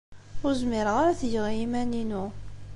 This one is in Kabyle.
Ur zmireɣ ara ad t-geɣ i yiman-inu.